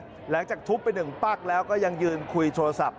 หลังจากทุบไป๑ปะแล้วก็ยังคุยโทรศัพท์